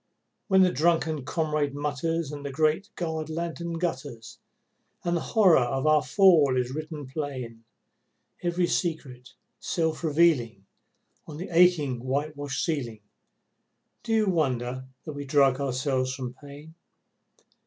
When the drunken comrade mutters and the great guard lantern gutters And the horror of our fall is written plain, Every secret, self revealing on the aching white washed ceiling, Do you wonder that we drug ourselves from pain?